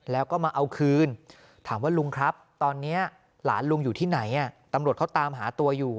แล้วก็มาเอาคืนถามว่าลุงครับตอนนี้หลานลุงอยู่ที่ไหนตำรวจเขาตามหาตัวอยู่